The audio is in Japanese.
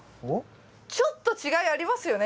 ちょっと違いありますよね